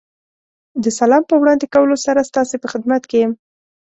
د سلام په وړاندې کولو سره ستاسې په خدمت کې یم.